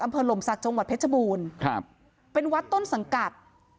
หล่มศักดิ์จังหวัดเพชรบูรณ์ครับเป็นวัดต้นสังกัด